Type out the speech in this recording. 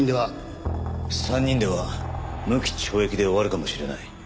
３人では無期懲役で終わるかもしれない。